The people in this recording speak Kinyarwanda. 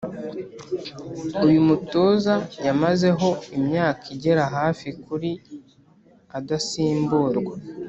uyu mutoza yamazeho imyaka igera hafi kuri adasimburwa